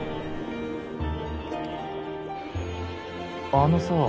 ⁉あのさ